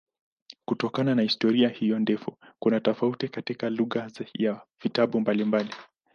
Kutokana na historia hiyo ndefu kuna tofauti katika lugha ya vitabu mbalimbali.